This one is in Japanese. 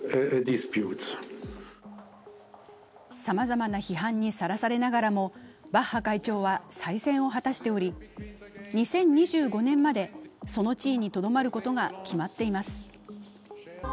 さまざまな批判にさらされながらも、バッハ会長は再選を果たしており、２０２５年までその地位にとどまることが決まっています。